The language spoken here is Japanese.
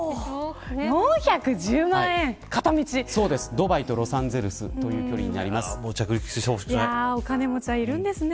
ドバイとロサンゼルスという距離になりまお金持ちはいるんですね。